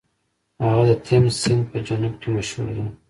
هغه د تیمس سیند په جنوب کې مشهور دی.